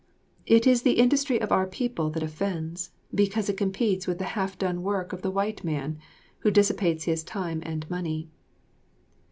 It is the industry of our people that offends, because it competes with the half done work of the white man, who dissipates his time and money.